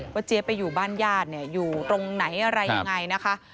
เจี๊ยบไปอยู่บ้านญาติอยู่ตรงไหนอะไรยังไงนะคะ